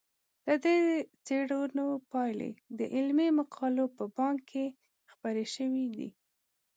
د دې څېړنو پایلې د علمي مقالو په بانک کې خپرې شوي دي.